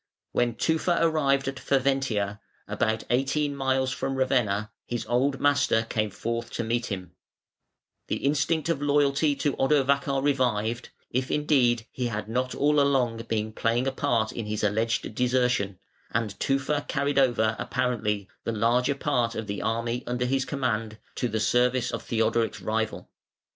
When Tufa arrived at Faventia, about eighteen miles from Ravenna, his old master came forth to meet him; the instinct of loyalty to Odovacar revived (if indeed he had not all along been playing a part in his alleged desertion), and Tufa carried over, apparently, the larger part of the army under his command to the service of Theodoric's rival.